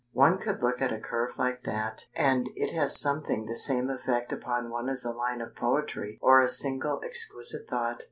One could look at a curve like that and it has something the same effect upon one as a line of poetry or a single exquisite thought."